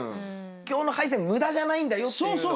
今日の敗戦無駄じゃないんだよっていうのをね